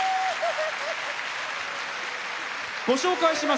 ご紹介します。